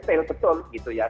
terus saya deradina ini jangan